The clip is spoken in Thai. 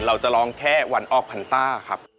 เราจะร้องแค่วันออกพันต้าครับ